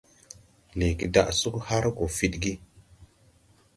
Leege daʼ sug har gɔ fidgi.